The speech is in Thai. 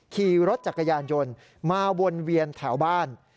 ขี่รถจักรยานยนต์มาวนเวียนแถวบ้าน